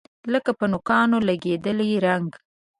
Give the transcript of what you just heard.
لکه په نوکانو لګیدلی رنګ